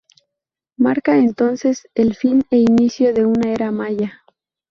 Marca, entonces, el fin e inicio de una era maya.